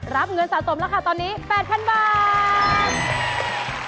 รับเงินสะสมแล้วค่ะตอนนี้๘๐๐๐บาท